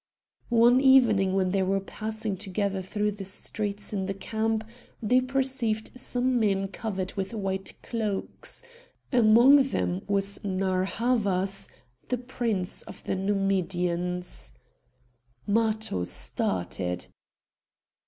One evening when they were passing together through the streets in the camp they perceived some men covered with white cloaks; among them was Narr' Havas, the prince of the Numidians. Matho started.